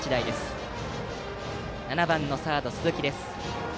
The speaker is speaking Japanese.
打席は７番のサード、鈴木です。